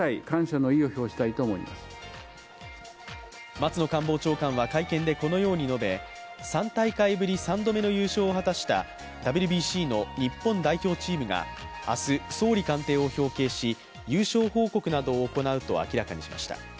松野官房長官は会見でこのように述べ３大会ぶり３度目の優勝を果たしたＷＢＣの日本代表チームが明日、総理官邸を表敬し優勝報告などを行うと明らかにしました。